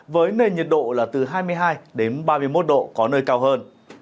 với nền nhiệt độ là từ hai mươi hai đến ba mươi một độ có nơi cao hơn